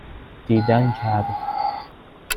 دیدنکرد